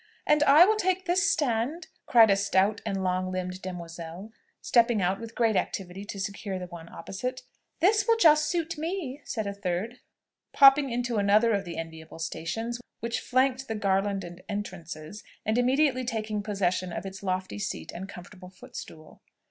"And I will take this stand!" cried a stout and long limbed demoiselle, stepping out with great activity to secure the one opposite. "This will just suit me!" said a third, popping into another of the enviable stations which flanked the garlanded entrances, and immediately taking possession of its lofty seat and comfortable footstool.